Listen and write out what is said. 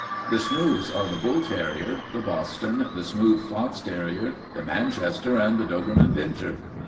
The smooths are the bull terrier, the Boston, the smooth fox terrier, the Manchester, and the Doberman pinscher.